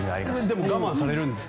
でも我慢されるんですか？